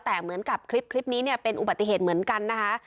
แต่เหมือนกับคลิปนี้เนี่ยเป็นอุบัติเหตุเหมือนกันนะคะ